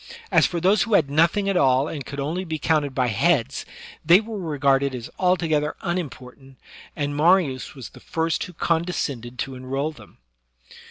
As for those who had nothing at all and could only be counted by heads, they were regarded as altogether unimportant, and Mariiis was the first who condescended to enroll them.